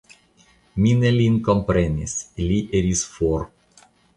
Mi ne lin komprenis, li iris for.